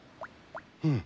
うん。